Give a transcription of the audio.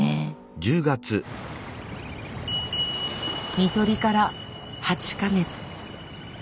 看取りから８か月。